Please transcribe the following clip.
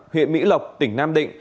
huyện mỹ lộc tỉnh nam định